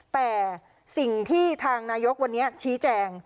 แต่สิ่งที่ทางนายกวันนี้ชี้แจง